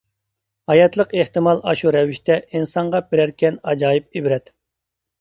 ھاياتلىق ئېھتىمال ئاشۇ رەۋىشتە، ئىنسانغا بېرەركەن ئاجايىپ ئىبرەت.